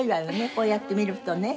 こうやって見るとね。